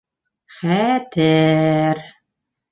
Хә-тә-әр...